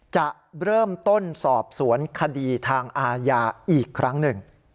จะเริ่มต้นสอบสวนคดีทางอาญาอีกครั้งหนึ่ง